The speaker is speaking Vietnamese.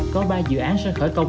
có ba dự án sẽ khởi công